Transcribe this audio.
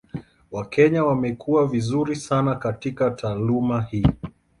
Wakenya wamekuwa vizuri sana katika taaluma hii.